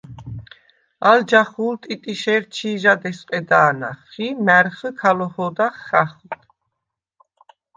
ალ ჯახუ̄ლ ტიტიშე̄რ ჩი̄ჟად ესვყედა̄ნახ ი მა̈რხჷ ქა ლოჰოდახ ხახვდ.